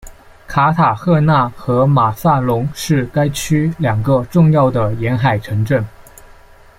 卡塔赫纳和马萨龙是该区两个重要的沿海城镇。